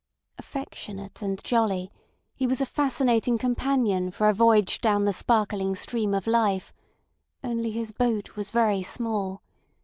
Affectionate and jolly, he was a fascinating companion for a voyage down the sparkling stream of life; only his boat was very small.